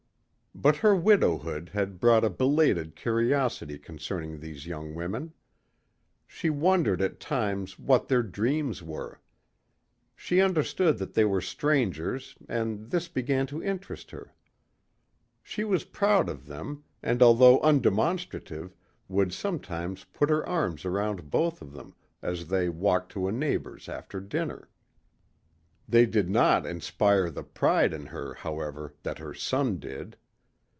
But her widowhood had brought a belated curiosity concerning these young women. She wondered at times what their dreams were. She understood that they were strangers and this began to interest her. She was proud of them and although undemonstrative would sometimes put her arms around both of them as they walked to a neighbor's after dinner. They did not inspire the pride in her, however, that her son did.